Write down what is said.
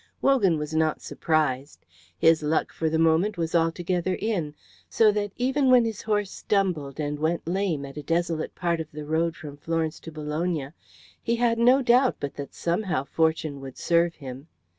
Wogan was not surprised, his luck for the moment was altogether in, so that even when his horse stumbled and went lame at a desolate part of the road from Florence to Bologna, he had no doubt but that somehow fortune would serve him.